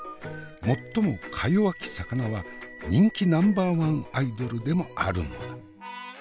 最もかよわき魚は人気ナンバーワンアイドルでもあるのだ。